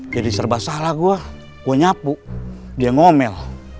jadi serba salah gue gue nyapu dia ngomel